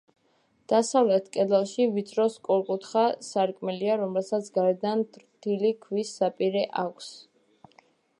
დასავლეთ კედელში ვიწრო სწორკუთხა სარკმელია, რომელსაც გარედან თლილი ქვის საპირე აქვს.